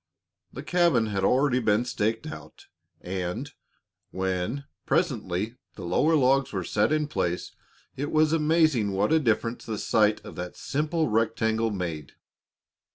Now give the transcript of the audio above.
The cabin had already been staked out, and when, presently, the lower logs were set in place it was amazing what a difference the sight of that simple rectangle made.